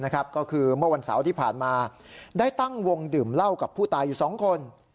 ก็คือเมื่อวันเสาร์ที่ผ่านมาได้ตั้งวงดื่มเหล้ากับผู้ตายอยู่๒คน